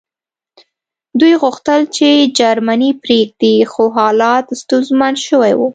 دوی غوښتل چې جرمني پرېږدي خو حالات ستونزمن شوي وو